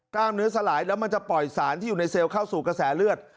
กล้ามเนื้อสลายแล้วมันจะปล่อยสารที่อยู่ในเซลล์เข้าสู่กระแสเลือด